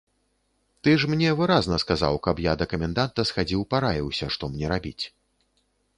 Ты ж мне выразна сказаў, каб я да каменданта схадзіў параіўся, што мне рабіць.